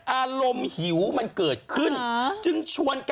อารมณ์หิวมันเกิดขึ้น